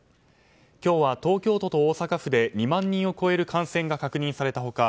今日は東京都と大阪府で２万人の感染が確認された他